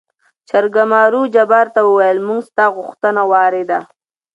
جرګمارو جبار ته ووېل: موږ ستا غوښتنه وارېده.